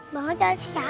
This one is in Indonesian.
mau cari siapa